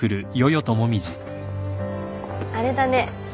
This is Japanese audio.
・あれだね